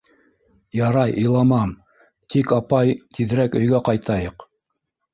— Ярай, иламам, тик, апай, тиҙерәк өйгә ҡайтайыҡ.